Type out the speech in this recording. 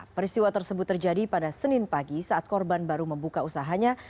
peristiwa tersebut terjadi pada senin pagi saat korban baru membuka usahanya